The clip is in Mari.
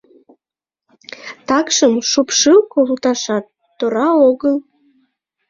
Такшым, шупшыл колташат тора огыл.